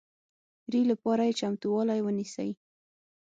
ري لپاره یې چمتوالی ونیسئ